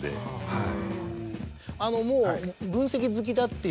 はい。